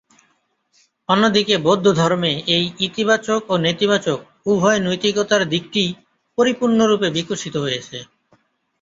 অন্যদিকে বৌদ্ধধর্মে এই ইতিবাচক ও নেতিবাচক উভয় নৈতিকতার দিকটিই পরিপূর্ণরূপে বিকশিত হয়েছে।